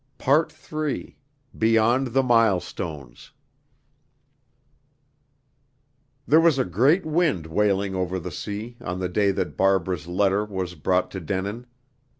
PART III BEYOND THE MILESTONES CHAPTER XVI There was a great wind wailing over the sea, on the day that Barbara's letter was brought to Denin.